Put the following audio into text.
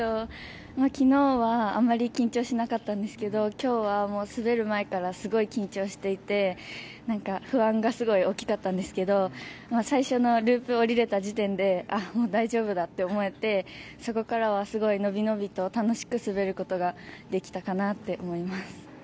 昨日はあまり緊張しなかったんですけど今日は滑る前からすごい緊張していて不安がすごい大きかったんですが最初のループを降りれた時点であっ、もう大丈夫だって思えてそこからはすごく伸び伸びと楽しく滑ることができたかなと思います。